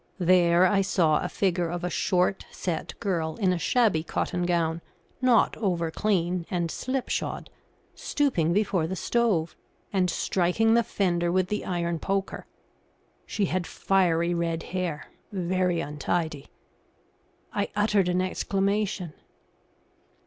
There I saw a figure of a short, set girl in a shabby cotton gown, not over clean, and slipshod, stooping before the stove, and striking the fender with the iron poker. She had fiery red hair, very untidy. I uttered an exclamation.